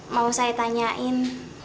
mau saya tanyain